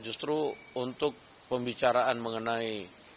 justru untuk pembicaraan mengenai